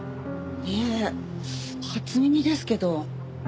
いえ初耳ですけど。